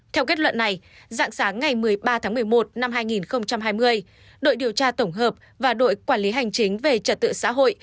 theo kết luận này dạng sáng ngày một mươi ba tháng một mươi một năm hai nghìn hai mươi đội điều tra tổng hợp và đội quản lý hành chính về trật tự xã hội